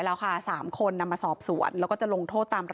เอาค่ะ๓คนนำมาสอบสวนแล้วก็จะลงโทษตามระเบียบ